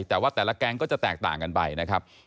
แต่ว่าแต่ละแก๊งก็จะแตกต่างกันไปนะครับ